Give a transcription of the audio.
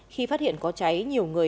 khi phát hiện có cháy nhiều người